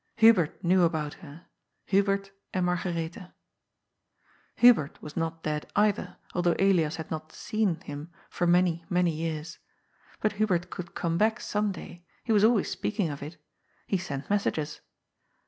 Hubert knew about her. Hubert and Margaretha. Hubert was not dead^ either, although Elias had not ^'seen" him for many, many years. But Hubert could come back some day ; he was always speaking of it He sent messages.